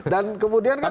dan kemudian kan